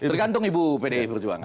tergantung ibu pdip berjuang